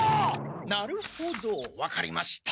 なるほど分かりました。